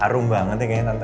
harum banget ya kayaknya nanti